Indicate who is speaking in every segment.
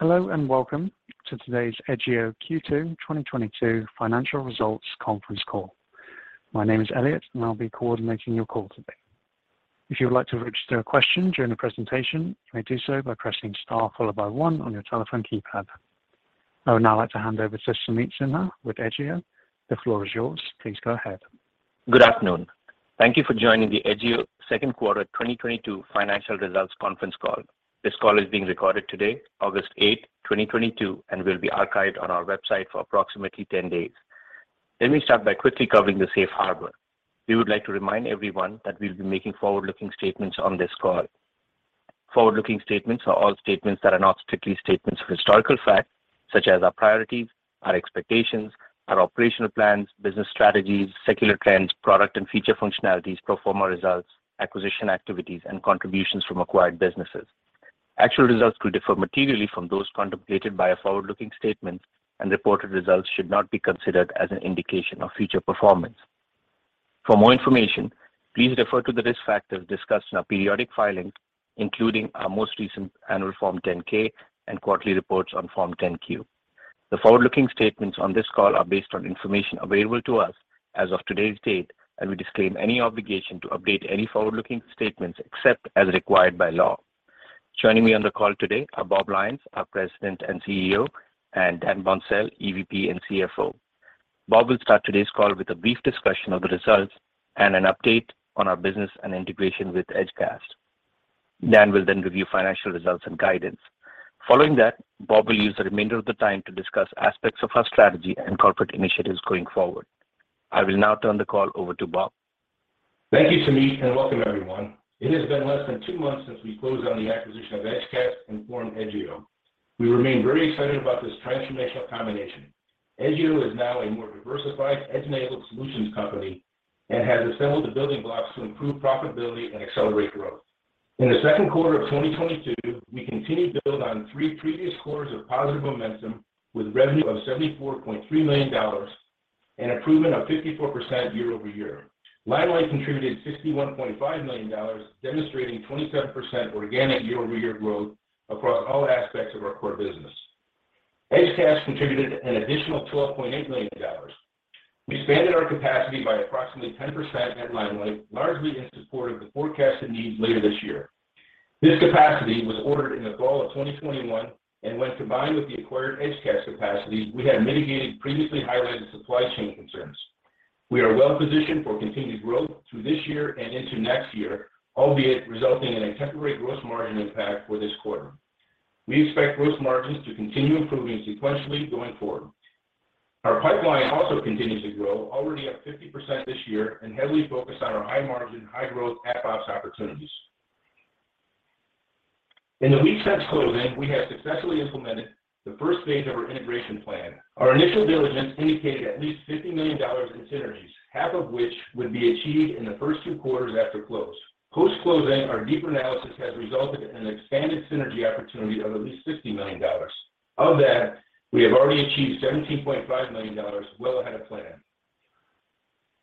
Speaker 1: Hello and welcome to today's Edgio Q2 2022 Financial Results Conference Call. My name is Elliot, and I'll be coordinating your call today. If you would like to register a question during the presentation, you may do so by pressing star followed by one on your telephone keypad. I would now like to hand over to Sameet Sinha with Edgio. The floor is yours. Please go ahead.
Speaker 2: Good afternoon. Thank you for joining the Edgio Q2 2022 Financial Results Conference Call. This call is being recorded today, August 8th, 2022, and will be archived on our website for approximately 10 days. Let me start by quickly covering the Safe Harbor. We would like to remind everyone that we'll be making forward-looking statements on this call. Forward-looking statements are all statements that are not strictly statements of historical fact, such as our priorities, our expectations, our operational plans, business strategies, secular trends, product and feature functionalities, pro forma results, acquisition activities, and contributions from acquired businesses. Actual results could differ materially from those contemplated by forward-looking statements and reported results should not be considered as an indication of future performance. For more information, please refer to the risk factors discussed in our periodic filings, including our most recent Annual Form 10-K and quarterly reports on Form 10-Q. The forward-looking statements on this call are based on information available to us as of today's date, and we disclaim any obligation to update any forward-looking statements except as required by law. Joining me on the call today are Bob Lyons, our President and CEO, and Dan Boncel, EVP and CFO. Bob will start today's call with a brief discussion of the results and an update on our business and integration with Edgecast. Dan will then review financial results and guidance. Following that, Bob will use the remainder of the time to discuss aspects of our strategy and corporate initiatives going forward. I will now turn the call over to Bob.
Speaker 3: Thank you, Sameet, and welcome everyone. It has been less than two months since we closed on the acquisition of Edgecast and formed Edgio. We remain very excited about this transformational combination. Edgio is now a more diversified edge-enabled solutions company and has assembled the building blocks to improve profitability and accelerate growth. In the Q2 of 2022, we continued to build on three previous quarters of positive momentum with revenue of $74.3 million, an improvement of 54% year-over-year. Limelight contributed $61.5 million, demonstrating 27% organic year-over-year growth across all aspects of our core business. Edgecast contributed an additional $12.8 million. We expanded our capacity by approximately 10% at Limelight, largely in support of the forecasted needs later this year. This capacity was ordered in the fall of 2021, and when combined with the acquired Edgecast capacity, we had mitigated previously highlighted supply chain concerns. We are well positioned for continued growth through this year and into next year, albeit resulting in a temporary gross margin impact for this quarter. We expect gross margins to continue improving sequentially going forward. Our pipeline also continues to grow, already up 50% this year and heavily focused on our high margin, high growth AppOps opportunities. In the weeks since closing, we have successfully implemented the first phase of our integration plan. Our initial diligence indicated at least $50 million in synergies, half of which would be achieved in the first two quarters after close. Post-closing, our deeper analysis has resulted in an expanded synergy opportunity of at least $60 million. Of that, we have already achieved $17.5 million well ahead of plan.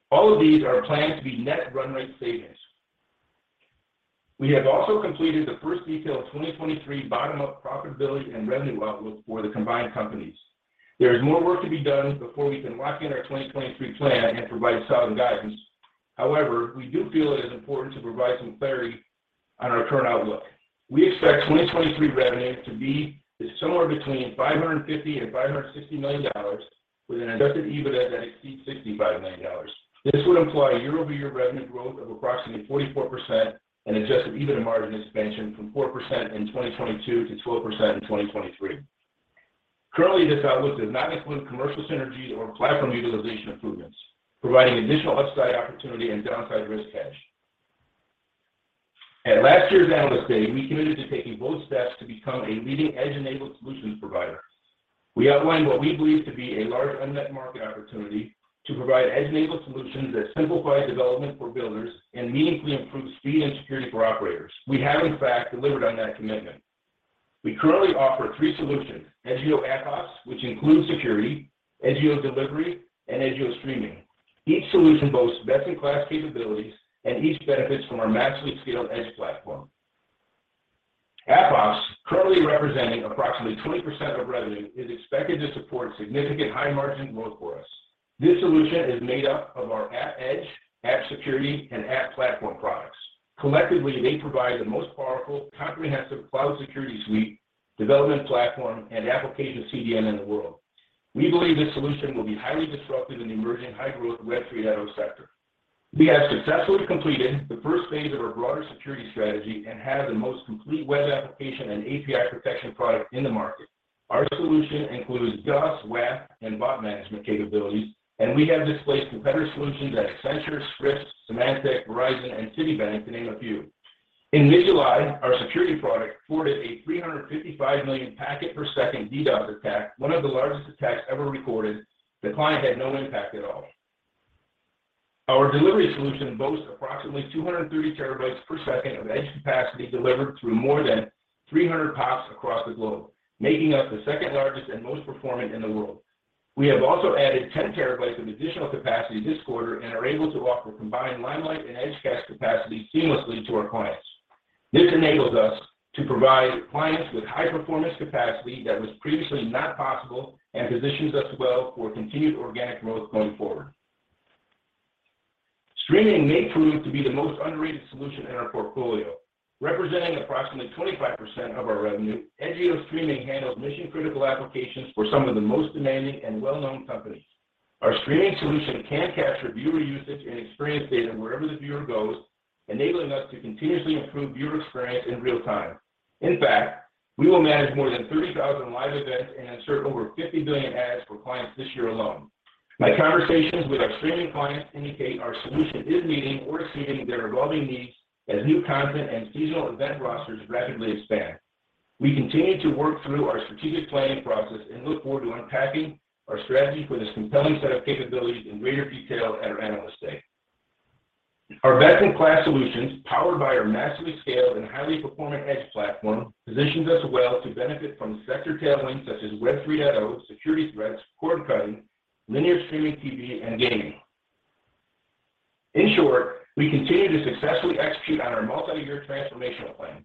Speaker 3: All of these are planned to be net run rate savings. We have also completed the first detailed 2023 bottom-up profitability and revenue outlook for the combined companies. There is more work to be done before we can lock in our 2023 plan and provide solid guidance. However, we do feel it is important to provide some clarity on our current outlook. We expect 2023 revenue to be somewhere between $550 million and $560 million, with an adjusted EBITDA that exceeds $65 million. This would imply a year-over-year revenue growth of approximately 44% and an adjusted EBITDA margin expansion from 4% in 2022 to 12% in 2023. Currently, this outlook does not include commercial synergies or platform utilization improvements, providing additional upside opportunity and downside risk hedge. At last year's Analyst Day, we committed to taking bold steps to become a leading edge-enabled solutions provider. We outlined what we believe to be a large unmet market opportunity to provide edge-enabled solutions that simplify development for builders and meaningfully improve speed and security for operators. We have in fact delivered on that commitment. We currently offer three solutions, Edgio AppOps, which includes security, Edgio Delivery, and Edgio Streaming. Each solution boasts best-in-class capabilities and each benefits from our massively scaled edge platform. AppOps, currently representing approximately 20% of revenue, is expected to support significant high margin growth for us. This solution is made up of our App Edge, App Security, and App Platform products. Collectively, they provide the most powerful, comprehensive cloud security suite, development platform, and application CDN in the world. We believe this solution will be highly disruptive in the emerging high-growth Web 3.0 sector. We have successfully completed the first phase of our broader security strategy and have the most complete web application and API protection product in the market. Our solution includes DDoS, WAF, and bot management capabilities, and we have displaced competitor solutions at Accenture, Scripps, Symantec, Verizon, and Citibank, to name a few. In mid-July, our security product thwarted a 355 million packet per second DDoS attack, one of the largest attacks ever recorded. The client had no impact at all. Our delivery solution boasts approximately 230 Tbps of edge capacity delivered through more than 300 POPs across the globe, making us the second-largest and most performant in the world. We have also added 10 TB of additional capacity this quarter and are able to offer combined Limelight and Edgecast capacity seamlessly to our clients. This enables us to provide clients with high performance capacity that was previously not possible and positions us well for continued organic growth going forward. Streaming may prove to be the most underrated solution in our portfolio. Representing approximately 25% of our revenue, Edgio Streaming handles mission-critical applications for some of the most demanding and well-known companies. Our streaming solution can capture viewer usage and experience data wherever the viewer goes, enabling us to continuously improve viewer experience in real time. In fact, we will manage more than 30,000 live events and insert over 50 billion ads for clients this year alone. My conversations with our streaming clients indicate our solution is meeting or exceeding their evolving needs as new content and seasonal event rosters rapidly expand. We continue to work through our strategic planning process and look forward to unpacking our strategy for this compelling set of capabilities in greater detail at our Analyst Day. Our best-in-class solutions, powered by our massively scaled and highly performant edge platform, positions us well to benefit from sector tailwinds such as Web 3.0, security threats, cord cutting, linear streaming TV, and gaming. In short, we continue to successfully execute on our multi-year transformational plan.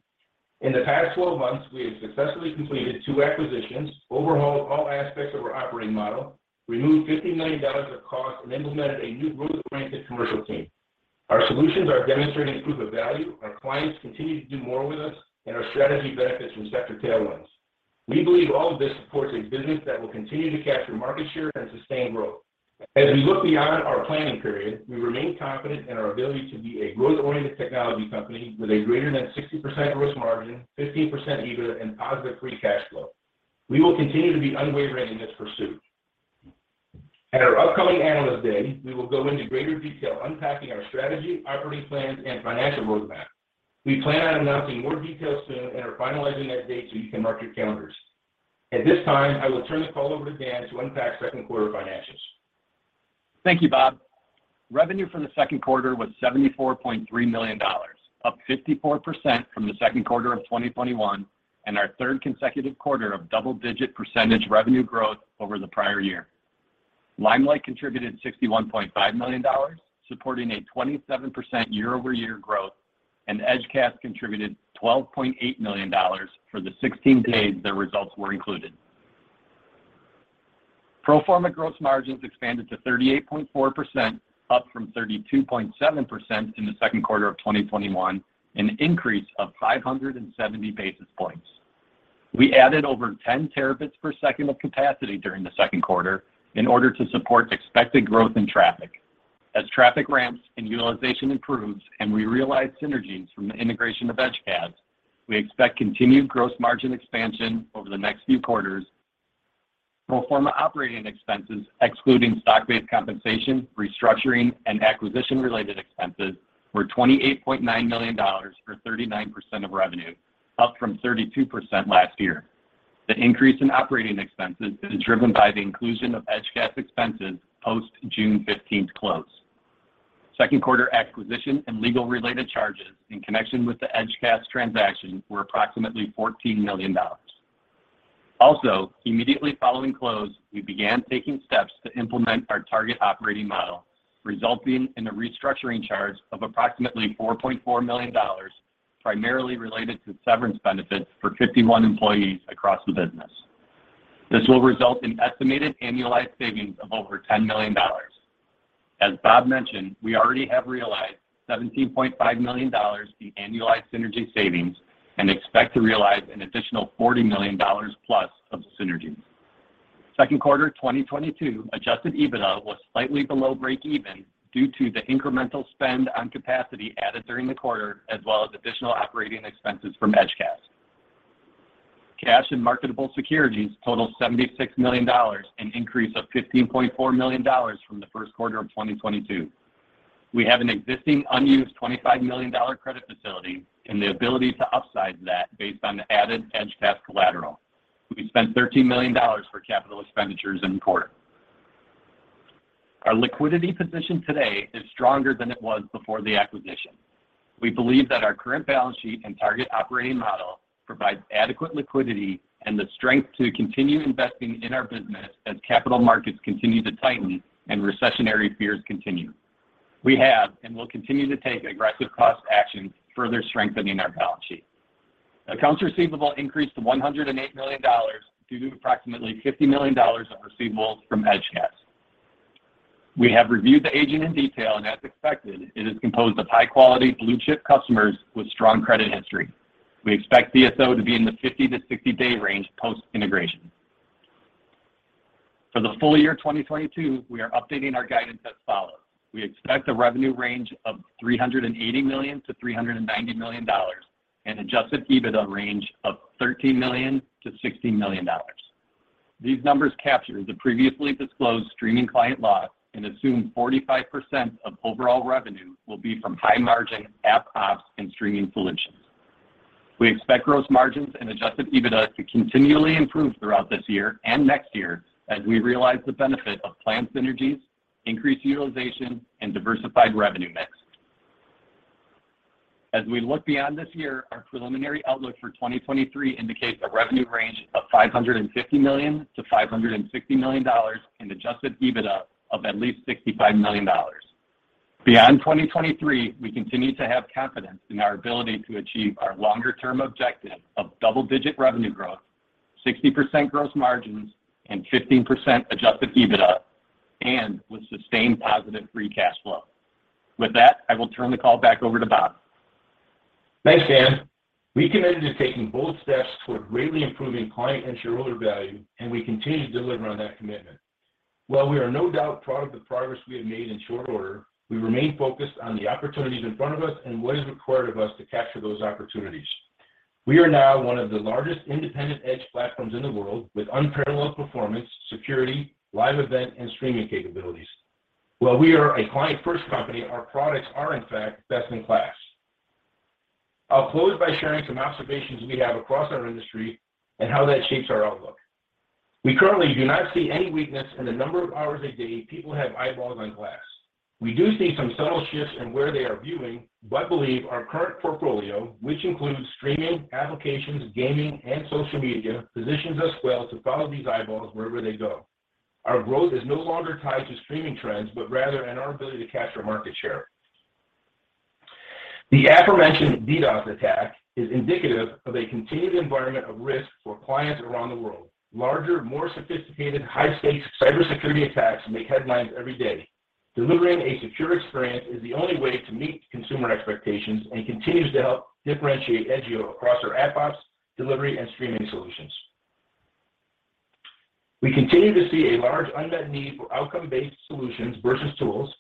Speaker 3: In the past 12 months, we have successfully completed two acquisitions, overhauled all aspects of our operating model, removed $50 million of cost, and implemented a new growth-oriented commercial team. Our solutions are demonstrating proof of value, our clients continue to do more with us, and our strategy benefits from sector tailwinds. We believe all of this supports a business that will continue to capture market share and sustain growth. As we look beyond our planning period, we remain confident in our ability to be a growth-oriented technology company with a greater than 60% gross margin, 15% EBITDA, and positive free cash flow. We will continue to be unwavering in this pursuit. At our upcoming Analyst Day, we will go into greater detail unpacking our strategy, operating plans, and financial roadmap. We plan on announcing more details soon and are finalizing that date so you can mark your calendars. At this time, I will turn the call over to Dan to unpack Q2 financials.
Speaker 4: Thank you, Bob. Revenue for the Q2 was $74.3 million, up 54% from the Q2 of 2021, and our third consecutive quarter of double-digit percentage revenue growth over the prior year. Limelight contributed $61.5 million, supporting a 27% year-over-year growth, and Edgecast contributed $12.8 million for the 16 days their results were included. Pro forma gross margins expanded to 38.4%, up from 32.7% in the Q2 of 2021, an increase of 570 basis points. We added over 10 Tbps of capacity during the Q2 in order to support expected growth in traffic. As traffic ramps and utilization improves and we realize synergies from the integration of Edgecast, we expect continued gross margin expansion over the next few quarters. Pro forma operating expenses, excluding stock-based compensation, restructuring, and acquisition related expenses, were $28.9 million, or 39% of revenue, up from 32% last year. The increase in operating expenses is driven by the inclusion of Edgecast expenses post June fifteenth close. Q2 acquisition and legal-related charges in connection with the Edgecast transaction were approximately $14 million. Also, immediately following close, we began taking steps to implement our target operating model, resulting in a restructuring charge of approximately $4.4 million, primarily related to severance benefits for 51 employees across the business. This will result in estimated annualized savings of over $10 million. As Bob mentioned, we already have realized $17.5 million in annualized synergy savings and expect to realize an additional $40 million plus of synergies. Q2 2022 adjusted EBITDA was slightly below breakeven due to the incremental spend on capacity added during the quarter, as well as additional operating expenses from Edgecast. Cash and marketable securities total $76 million, an increase of $15.4 million from the Q1 of 2022. We have an existing unused $25 million credit facility and the ability to upsize that based on the added Edgecast collateral. We spent $13 million for capital expenditures in the quarter. Our liquidity position today is stronger than it was before the acquisition. We believe that our current balance sheet and target operating model provides adequate liquidity and the strength to continue investing in our business as capital markets continue to tighten and recessionary fears continue. We have and will continue to take aggressive cost actions, further strengthening our balance sheet. Accounts receivable increased to $108 million due to approximately $50 million of receivables from Edgecast. We have reviewed the aging in detail, and as expected, it is composed of high quality blue chip customers with strong credit history. We expect DSO to be in the 50- to 60-day range post-integration. For the full year 2022, we are updating our guidance as follows. We expect a revenue range of $380 million-$390 million and adjusted EBITDA range of $13 million-$16 million. These numbers capture the previously disclosed streaming client loss and assume 45% of overall revenue will be from high margin app ops and streaming solutions. We expect gross margins and adjusted EBITDA to continually improve throughout this year and next year as we realize the benefit of planned synergies, increased utilization, and diversified revenue mix. As we look beyond this year, our preliminary outlook for 2023 indicates a revenue range of $550 million-$560 million and adjusted EBITDA of at least $65 million. Beyond 2023, we continue to have confidence in our ability to achieve our longer-term objective of double-digit revenue growth, 60% gross margins, and 15% adjusted EBITDA, and with sustained positive free cash flow. With that, I will turn the call back over to Bob.
Speaker 3: Thanks, Dan. We committed to taking bold steps toward greatly improving client and shareholder value, and we continue to deliver on that commitment. While we are no doubt proud of the progress we have made in short order, we remain focused on the opportunities in front of us and what is required of us to capture those opportunities. We are now one of the largest independent edge platforms in the world with unparalleled performance, security, live event, and streaming capabilities. While we are a client-first company, our products are in fact best in class. I'll close by sharing some observations we have across our industry and how that shapes our outlook. We currently do not see any weakness in the number of hours a day people have eyeballs on glass. We do see some subtle shifts in where they are viewing, but believe our current portfolio, which includes streaming, applications, gaming, and social media, positions us well to follow these eyeballs wherever they go. Our growth is no longer tied to streaming trends, but rather in our ability to capture market share. The aforementioned DDoS attack is indicative of a continued environment of risk for clients around the world. Larger, more sophisticated, high-stakes cybersecurity attacks make headlines every day. Delivering a secure experience is the only way to meet consumer expectations and continues to help differentiate Edgio across our AppOps, Delivery, and Streaming solutions. We continue to see a large unmet need for outcome-based solutions versus tools.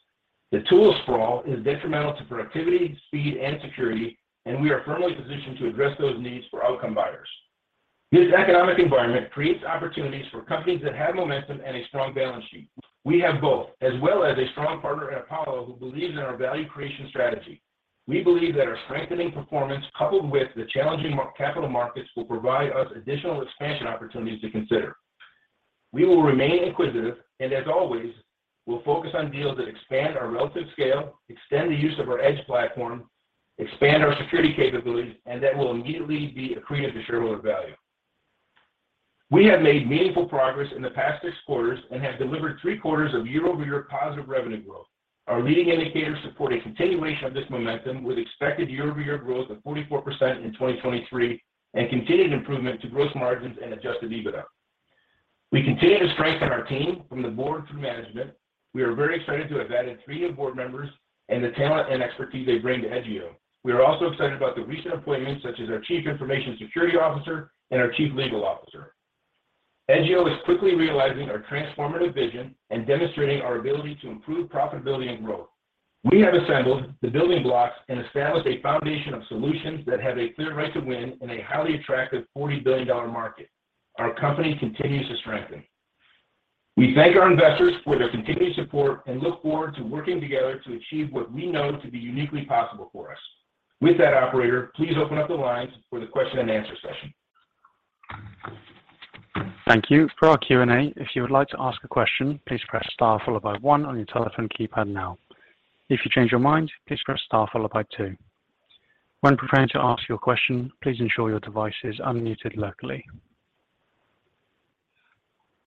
Speaker 3: The tool sprawl is detrimental to productivity, speed, and security, and we are firmly positioned to address those needs for outcome buyers. This economic environment creates opportunities for companies that have momentum and a strong balance sheet. We have both, as well as a strong partner in Apollo who believes in our value creation strategy. We believe that our strengthening performance coupled with the challenging capital markets will provide us additional expansion opportunities to consider. We will remain inquisitive, and as always, we'll focus on deals that expand our relative scale, extend the use of our Edge platform, expand our security capabilities, and that will immediately be accretive to shareholder value. We have made meaningful progress in the past six quarters and have delivered three quarters of year-over-year positive revenue growth. Our leading indicators support a continuation of this momentum with expected year-over-year growth of 44% in 2023 and continued improvement to gross margins and adjusted EBITDA. We continue to strengthen our team from the board through management. We are very excited to have added three new board members and the talent and expertise they bring to Edgio. We are also excited about the recent appointments such as our chief information security officer and our chief legal officer. Edgio is quickly realizing our transformative vision and demonstrating our ability to improve profitability and growth. We have assembled the building blocks and established a foundation of solutions that have a clear right to win in a highly attractive $40 billion market. Our company continues to strengthen. We thank our investors for their continued support and look forward to working together to achieve what we know to be uniquely possible for us. With that, operator, please open up the lines for the question and answer session.
Speaker 1: Thank you. For our Q&A, if you would like to ask a question, please press star followed by one on your telephone keypad now. If you change your mind, please press star followed by two. When preparing to ask your question, please ensure your device is unmuted locally.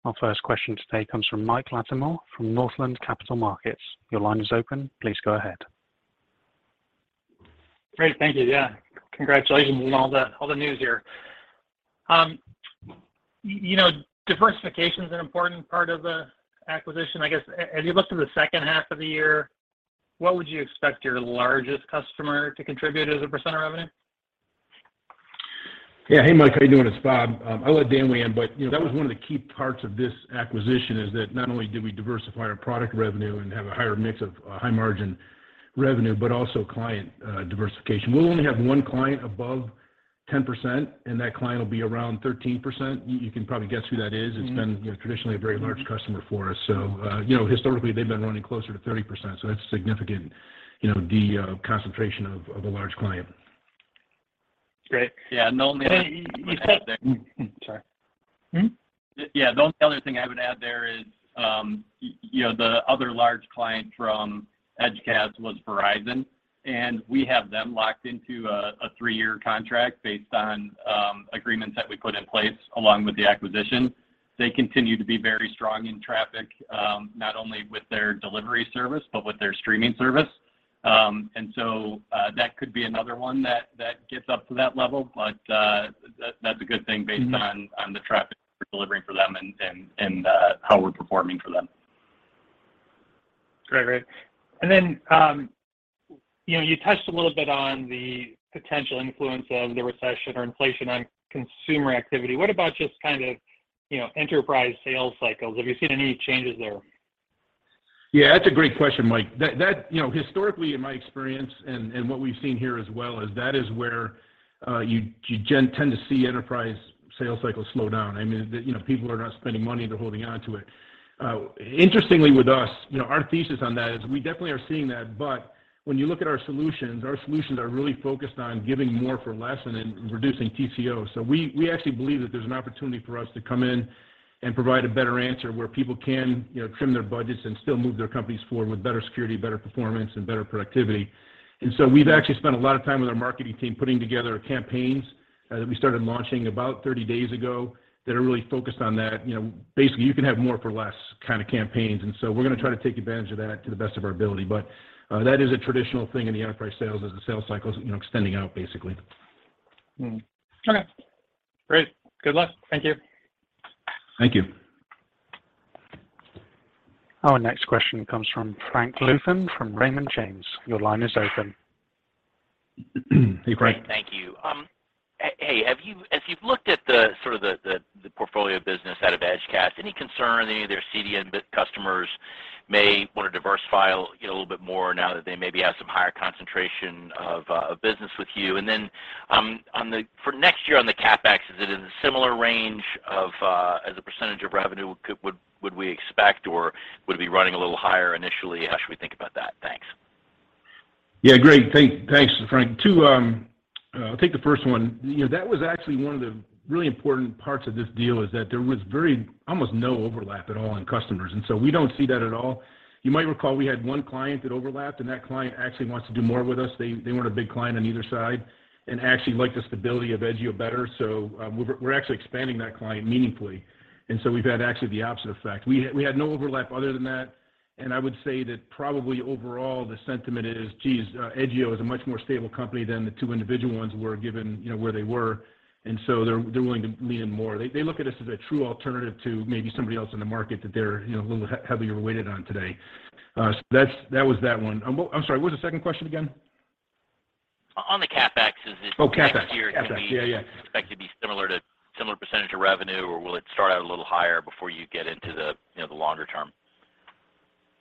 Speaker 1: Our first question today comes from Mike Latimore from Northland Capital Markets. Your line is open. Please go ahead.
Speaker 5: Great. Thank you. Yeah. Congratulations on all the news here. You know, diversification is an important part of the acquisition. I guess as you look to the second half of the year, what would you expect your largest customer to contribute as a % of revenue?
Speaker 3: Yeah. Hey, Mike. How you doing? It's Bob. I'll let Dan weigh in, but, you know, that was one of the key parts of this acquisition is that not only did we diversify our product revenue and have a higher mix of high-margin revenue, but also client diversification. We'll only have one client above 10%, and that client will be around 13%. You can probably guess who that is.
Speaker 5: Mm-hmm. It's been, you know, traditionally a very large customer for us. You know, historically, they've been running closer to 30%, so that's significant, you know, deconcentration of a large client.
Speaker 4: Great. Yeah. The only other thing I would add there.
Speaker 3: Sorry. Mm-hmm?
Speaker 4: Yeah. The other thing I would add there is, you know, the other large client from Edgecast was Verizon, and we have them locked into a three-year contract based on agreements that we put in place along with the acquisition. They continue to be very strong in traffic, not only with their delivery service, but with their streaming service. That could be another one that gets up to that level. That's a good thing based on-
Speaker 3: Mm-hmm
Speaker 4: On the traffic we're delivering for them and how we're performing for them. Great. Great. Then, you know, you touched a little bit on the potential influence of the recession or inflation on consumer activity. What about just kind of, you know, enterprise sales cycles? Have you seen any changes there?
Speaker 6: Yeah, that's a great question, Mike. That you know, historically, in my experience and what we've seen here as well is that where you tend to see enterprise sales cycles slow down. I mean, you know, people are not spending money, they're holding onto it. Interestingly with us, you know, our thesis on that is we definitely are seeing that, but when you look at our solutions, our solutions are really focused on giving more for less and then reducing TCO. We actually believe that there's an opportunity for us to come in and provide a better answer where people can, you know, trim their budgets and still move their companies forward with better security, better performance, and better productivity. We've actually spent a lot of time with our marketing team putting together campaigns
Speaker 3: That we started launching about 30 days ago that are really focused on that. You know, basically you can have more for less kind of campaigns. We're gonna try to take advantage of that to the best of our ability. that is a traditional thing in the enterprise sales as the sales cycle is, you know, extending out, basically.
Speaker 4: Mm-hmm. Okay. Great. Good luck. Thank you.
Speaker 3: Thank you.
Speaker 1: Our next question comes from Frank Louthan from Raymond James. Your line is open.
Speaker 3: Hey, Frank.
Speaker 7: Thank you. Hey, as you've looked at the sort of portfolio business out of Edgecast, any concern any of their CDN big customers may want to diversify a little bit more now that they maybe have some higher concentration of business with you? For next year on the CapEx, is it in a similar range of as a percentage of revenue would we expect, or would it be running a little higher initially? How should we think about that? Thanks.
Speaker 3: Yeah, great. Thanks, Frank. Two, I'll take the first one. You know, that was actually one of the really important parts of this deal is that there was almost no overlap at all in customers, and so we don't see that at all. You might recall we had one client that overlapped, and that client actually wants to do more with us. They weren't a big client on either side and actually like the stability of Edgio better. So, we're actually expanding that client meaningfully, and so we've had actually the opposite effect. We had no overlap other than that. I would say that probably overall the sentiment is, geez, Edgio is a much more stable company than the two individual ones were given, you know, where they were, and so they're willing to lean in more. They look at us as a true alternative to maybe somebody else in the market that they're, you know, a little heavier weighted on today. So that was that one. I'm sorry, what was the second question again?
Speaker 7: On the CapEx, is it?
Speaker 3: Oh, CapEx.
Speaker 7: Next year, can we? CapEx. Yeah, yeah expect it to be similar percentage of revenue, or will it start out a little higher before you get into the, you know, the longer term?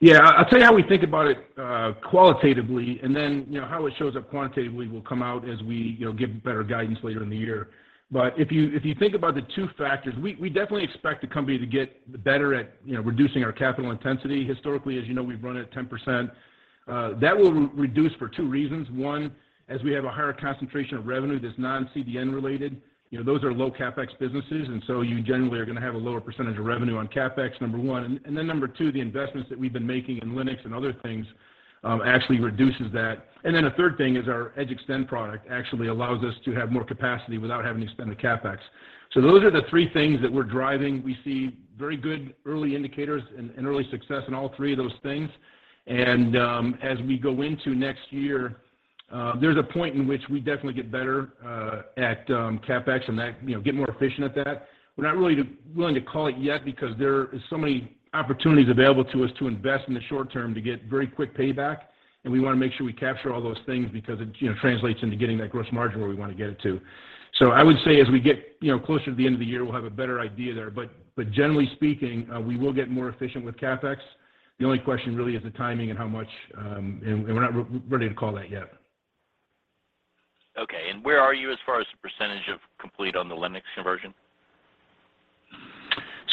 Speaker 3: Yeah. I'll tell you how we think about it qualitatively, and then, you know, how it shows up quantitatively will come out as we, you know, give better guidance later in the year. If you think about the two factors, we definitely expect the company to get better at, you know, reducing our capital intensity. Historically, as you know, we've run it at 10%. That will reduce for two reasons. One, as we have a higher concentration of revenue that's non-CDN related, you know, those are low CapEx businesses, and so you generally are gonna have a lower percentage of revenue on CapEx, number one. And then number two, the investments that we've been making in Linux and other things actually reduces that. A third thing is our Edge Xtend product actually allows us to have more capacity without having to spend the CapEx. Those are the three things that we're driving. We see very good early indicators and early success in all three of those things. As we go into next year, there's a point in which we definitely get better at CapEx and that, you know, get more efficient at that. We're not really willing to call it yet because there are so many opportunities available to us to invest in the short term to get very quick payback, and we wanna make sure we capture all those things because it, you know, translates into getting that gross margin where we want to get it to. I would say as we get, you know, closer to the end of the year, we'll have a better idea there. Generally speaking, we will get more efficient with CapEx. The only question really is the timing and how much, and we're not ready to call that yet.
Speaker 4: Okay. Where are you as far as percentage of complete on the Linux conversion?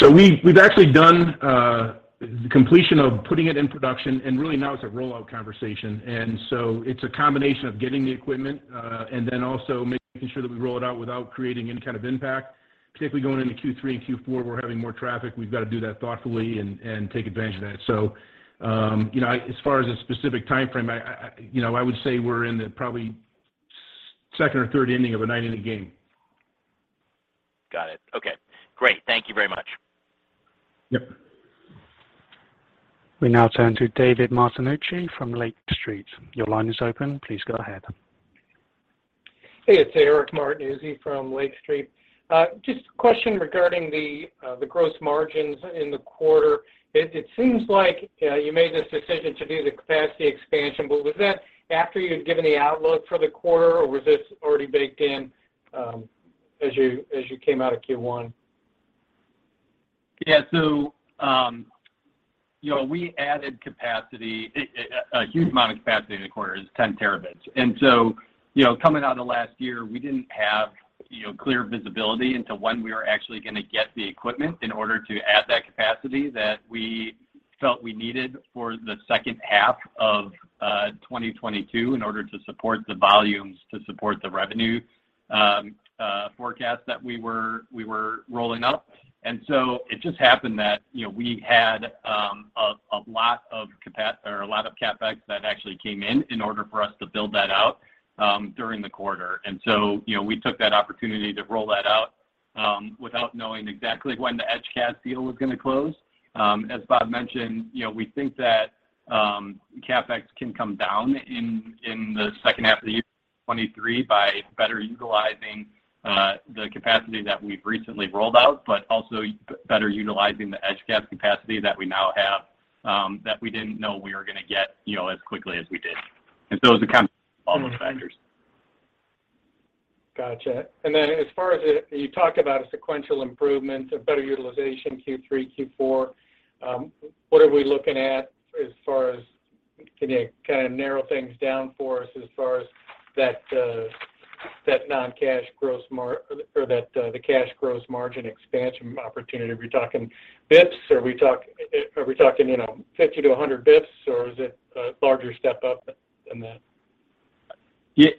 Speaker 3: We've actually done the completion of putting it in production, and really now it's a rollout conversation. It's a combination of getting the equipment, and then also making sure that we roll it out without creating any kind of impact. Particularly going into Q3 and Q4, we're having more traffic. We've got to do that thoughtfully and take advantage of that. You know, as far as a specific timeframe, I, you know, I would say we're probably in the second or third inning of a nine-inning game.
Speaker 4: Got it. Okay, great. Thank you very much.
Speaker 3: Yep.
Speaker 1: We now turn to Eric Martinuzzi from Lake Street. Your line is open. Please go ahead.
Speaker 8: Hey, it's Eric Martinuzzi from Lake Street. Just a question regarding the gross margins in the quarter. It seems like you made this decision to do the capacity expansion, but was that after you had given the outlook for the quarter, or was this already baked in, as you came out of Q1?
Speaker 4: Yeah. You know, we added capacity, a huge amount of capacity in the quarter. It was 10 terabits. You know, coming out of last year, we didn't have you know, clear visibility into when we were actually gonna get the equipment in order to add that capacity that we felt we needed for the second half of 2022 in order to support the volumes, to support the revenue forecast that we were rolling up. It just happened that you know, we had a lot of CapEx that actually came in in order for us to build that out during the quarter. You know, we took that opportunity to roll that out without knowing exactly when the Edgecast deal was gonna close. As Bob mentioned, you know, we think that CapEx can come down in the second half of 2023 by better utilizing the capacity that we've recently rolled out, but also better utilizing the Edgecast capacity that we now have, that we didn't know we were gonna get, you know, as quickly as we did. It was a combination of all those factors.
Speaker 8: Gotcha. As far as you talked about a sequential improvement, a better utilization Q3, Q4, what are we looking at. Can you kind of narrow things down for us as far as that non-cash gross or that the cash gross margin expansion opportunity? Are we talking bps? Are we talking, you know, 50-100 bps, or is it a larger step up than that?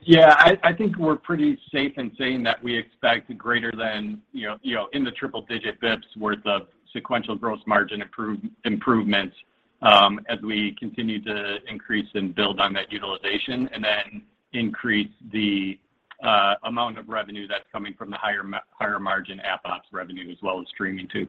Speaker 4: Yeah, I think we're pretty safe in saying that we expect greater than, you know, in the triple-digit basis points worth of sequential gross margin improvement. As we continue to increase and build on that utilization, and then increase the amount of revenue that's coming from the higher margin AppOps revenue as well as streaming too.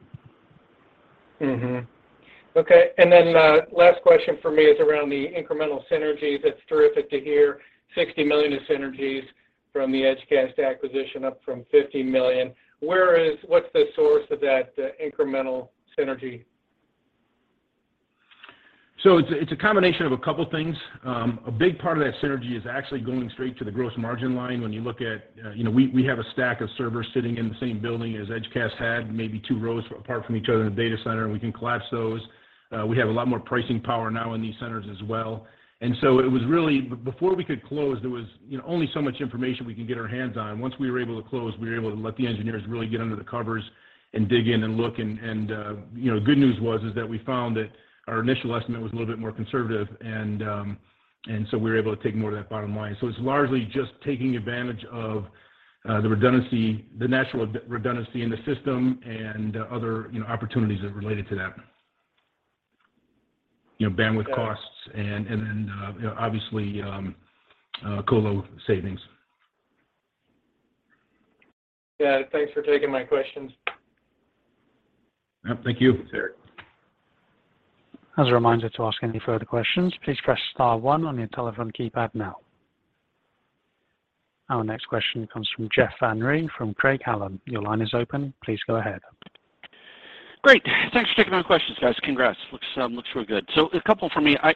Speaker 8: Last question from me is around the incremental synergies. That's terrific to hear $60 million of synergies from the Edgecast acquisition up from $50 million. What's the source of that incremental synergy?
Speaker 3: It's a combination of a couple things. A big part of that synergy is actually going straight to the gross margin line. When you look at, we have a stack of servers sitting in the same building as Edgecast had, maybe two rows apart from each other in the data center, and we can collapse those. We have a lot more pricing power now in these centers as well. It was really. Before we could close, there was only so much information we could get our hands on. Once we were able to close, we were able to let the engineers really get under the covers and dig in and look and. The good news was that we found that our initial estimate was a little bit more conservative, and and so we were able to take more of that bottom line. It's largely just taking advantage of the redundancy, the natural redundancy in the system and other, you know, opportunities that related to that. You know, bandwidth costs and then, obviously, colo savings.
Speaker 8: Yeah. Thanks for taking my questions.
Speaker 3: Yep, thank you, Elliot.
Speaker 1: As a reminder to ask any further questions, please press star one on your telephone keypad now. Our next question comes from Jeff Van Rhee from Craig-Hallum. Your line is open. Please go ahead.
Speaker 9: Great. Thanks for taking my questions, guys. Congrats. Looks real good. A couple from me. I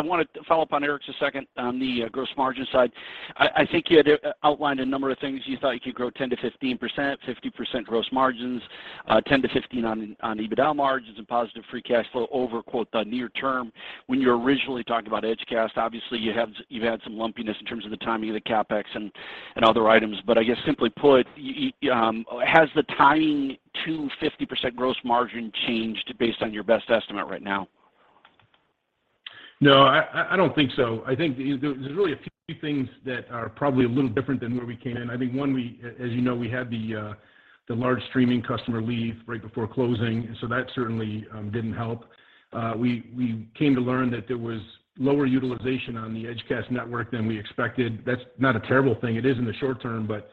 Speaker 9: wanted to follow up on Eric just a second on the gross margin side. I think you had outlined a number of things. You thought you could grow 10%-15%, 50% gross margins, 10%-15% on EBITDA margins and positive free cash flow over, quote, "the near term." When you originally talked about Edgecast, obviously you've had some lumpiness in terms of the timing of the CapEx and other items. I guess simply put, you. Has the timing to 50% gross margin changed based on your best estimate right now?
Speaker 3: No, I don't think so. I think there's really a few things that are probably a little different than where we came in. I think, one, we, as you know, we had the large streaming customer leave right before closing, and so that certainly didn't help. We came to learn that there was lower utilization on the Edgecast network than we expected. That's not a terrible thing. It is in the short term, but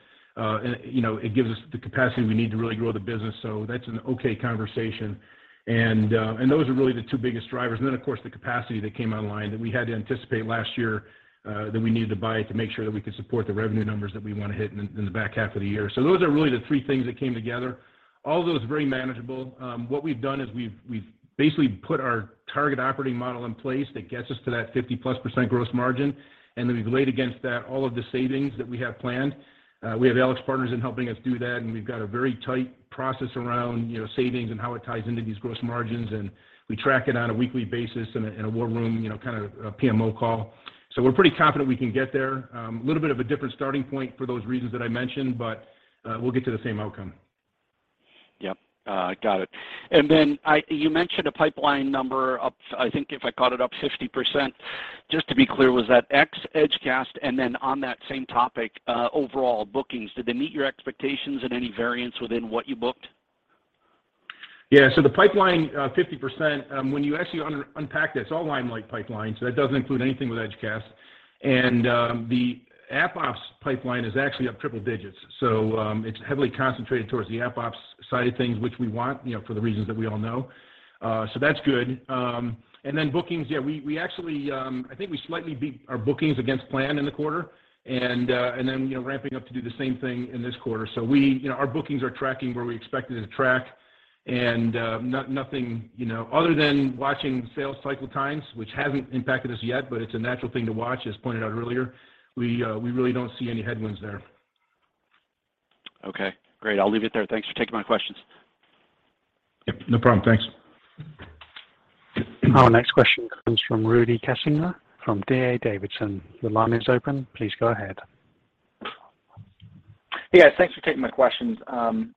Speaker 3: you know, it gives us the capacity we need to really grow the business. That's an okay conversation. Those are really the two biggest drivers. Of course, the capacity that came online that we had to anticipate last year that we needed to buy to make sure that we could support the revenue numbers that we wanna hit in the back half of the year. Those are really the three things that came together. All those are very manageable. What we've done is we've basically put our target operating model in place that gets us to that 50%+ gross margin. We've laid against that all of the savings that we have planned. We have AlixPartners in helping us do that, and we've got a very tight process around, you know, savings and how it ties into these gross margins. We track it on a weekly basis in a war room, you know, kind of a PMO call. We're pretty confident we can get there. Little bit of a different starting point for those reasons that I mentioned, but we'll get to the same outcome.
Speaker 9: Yep. Got it. You mentioned a pipeline number up, I think if I caught it, up 50%. Just to be clear, was that ex Edgecast? On that same topic, overall bookings, did they meet your expectations and any variance within what you booked?
Speaker 3: Yeah. The pipeline 50%, when you actually unpack this, it's all Limelight pipeline, so that doesn't include anything with Edgecast. The AppOps pipeline is actually up triple digits. It's heavily concentrated towards the AppOps side of things, which we want, you know, for the reasons that we all know. That's good. Then bookings, yeah, we actually, I think we slightly beat our bookings against plan in the quarter. Then, you know, ramping up to do the same thing in this quarter. We, you know, our bookings are tracking where we expected to track, and nothing, you know, other than watching sales cycle times, which hasn't impacted us yet, but it's a natural thing to watch, as pointed out earlier. We really don't see any headwinds there.
Speaker 9: Okay. Great. I'll leave it there. Thanks for taking my questions.
Speaker 3: Yep. No problem. Thanks.
Speaker 1: Our next question comes from Rudy Kessinger from D.A. Davidson. Your line is open. Please go ahead.
Speaker 10: Hey, guys. Thanks for taking my questions.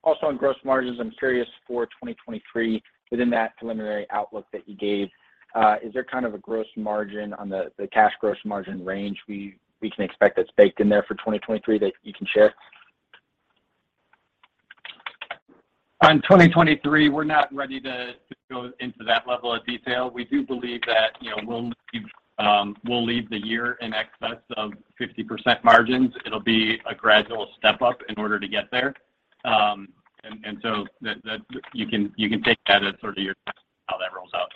Speaker 10: Also on gross margins, I'm curious for 2023, within that preliminary outlook that you gave, is there kind of a gross margin on the cash gross margin range we can expect that's baked in there for 2023 that you can share?
Speaker 4: In 2023, we're not ready to go into that level of detail. We do believe that, you know, we'll end the year in excess of 50% margins. It'll be a gradual step up in order to get there. You can take that as sort of your guess how that rolls out.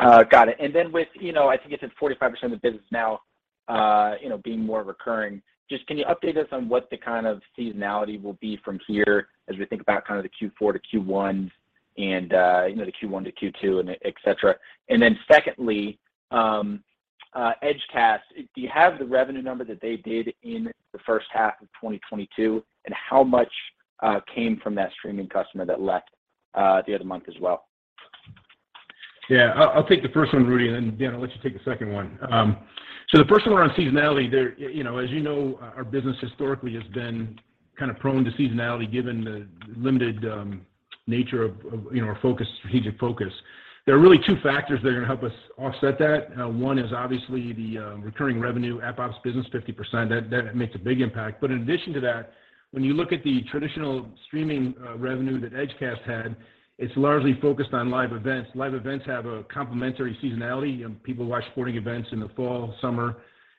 Speaker 10: Got it. With, you know, I think it's at 45% of the business now, you know, being more recurring, just can you update us on what the kind of seasonality will be from here as we think about kind of the Q4 to Q1 and, you know, the Q1 to Q2 and et cetera? Secondly, Edgecast, do you have the revenue number that they did in the first half of 2022, and how much came from that streaming customer that left the other month as well?
Speaker 3: Yeah. I'll take the first one, Rudy, and then, Dan, I'll let you take the second one. So the first one around seasonality there, you know, as you know, our business historically has been kind of prone to seasonality given the limited nature of you know, our focus, strategic focus. There are really two factors that are gonna help us offset that. One is obviously the recurring revenue, AppOps business, 50%. That makes a big impact. But in addition to that, when you look at the traditional streaming revenue that Edgecast had, it's largely focused on live events. Live events have a complementary seasonality. You know, people watch sporting events in the fall, summer,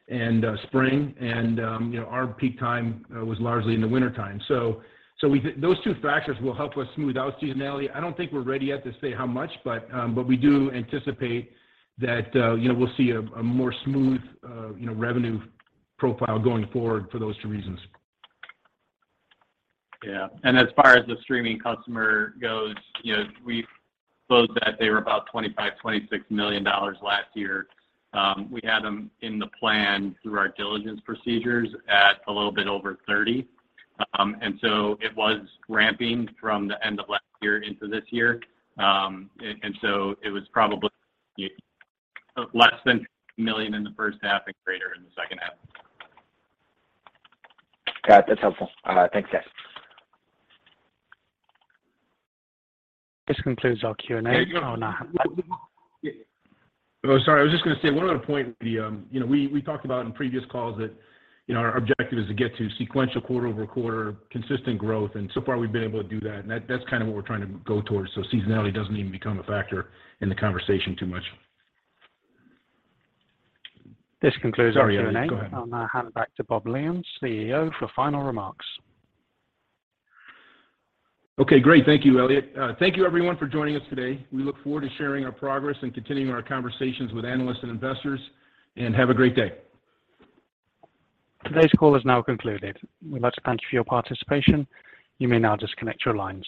Speaker 3: and spring. And you know, our peak time was largely in the wintertime. Those two factors will help us smooth out seasonality. I don't think we're ready yet to say how much, but we do anticipate that, you know, we'll see a more smooth, you know, revenue profile going forward for those two reasons.
Speaker 4: Yeah. As far as the streaming customer goes, you know, we've closed that. They were about $25-$26 million last year. We had them in the plan through our diligence procedures at a little bit over $30 million. And so it was ramping from the end of last year into this year. And so it was probably less than $1 million in the first half and greater in the second half.
Speaker 10: Got it. That's helpful. Thanks, guys.
Speaker 1: This concludes our Q&A. Oh, no.
Speaker 3: Oh, sorry. I was just gonna say one other point would be, you know, we talked about in previous calls that, you know, our objective is to get to sequential quarter-over-quarter consistent growth, and so far, we've been able to do that. That, that's kind of what we're trying to go towards, so seasonality doesn't even become a factor in the conversation too much.
Speaker 1: This concludes our Q&A.
Speaker 3: Sorry, Elliot. Go ahead.
Speaker 1: I'll now hand it back to Bob Lyons, CEO, for final remarks.
Speaker 3: Okay, great. Thank you, Elliot. Thank you everyone for joining us today. We look forward to sharing our progress and continuing our conversations with analysts and investors. Have a great day.
Speaker 1: Today's call is now concluded. We'd like to thank you for your participation. You may now disconnect your line.